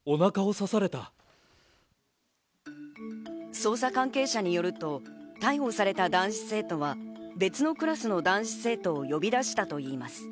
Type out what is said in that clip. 捜査関係者によると、逮捕された男子生徒は別のクラスの男子生徒を呼び出したといいます。